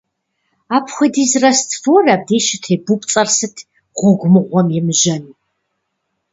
Апхуэдиз раствор абдей щӀытебупцӀэр сыт, гъуэгу мыгъуэм емыжьэн?!